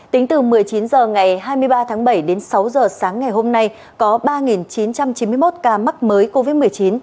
tính từ một mươi chín h ngày hai mươi ba tháng bảy đến sáu h sáng ngày hôm nay có ba chín trăm chín mươi một ca mắc mới covid một mươi chín